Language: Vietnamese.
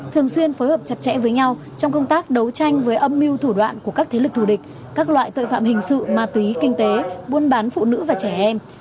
thường xuyên phối hợp chặt chẽ với nhau trong công tác đấu tranh với âm mưu thủ đoạn của các thế lực thù địch các loại tội phạm hình sự ma túy kinh tế buôn bán phụ nữ và trẻ em